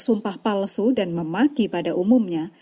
sumpah palsu dan memaki pada umumnya